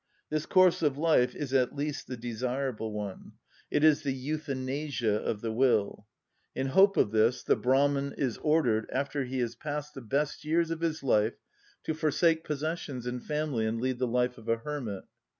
This course of life is at least the desirable one; it is the euthanasia of the will. In hope of this the Brahman is ordered, after he has passed the best years of his life, to forsake possessions and family, and lead the life of a hermit (Menu, B.